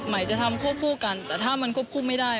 จะทำควบคู่กันแต่ถ้ามันควบคุมไม่ได้